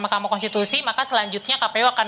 mahkamah konstitusi maka selanjutnya kpu akan